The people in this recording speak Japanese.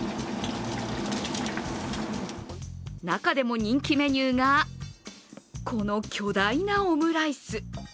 中でも人気メニューがこの巨大なオムライス。